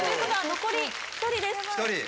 残り１人です